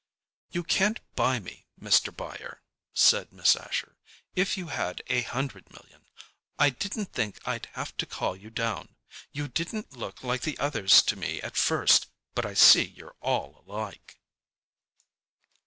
"You can't buy me, Mr. Buyer," said Miss Asher, "if you had a hundred million. I didn't think I'd have to call you down. You didn't look like the others to me at first, but I see you're all alike."